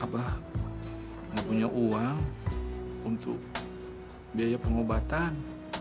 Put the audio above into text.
abah gak punya uang untuk biaya pengobatan